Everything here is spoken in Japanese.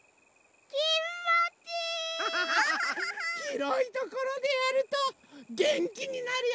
ひろいところでやるとげんきになるよね！